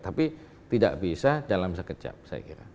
tapi tidak bisa dalam sekejap saya kira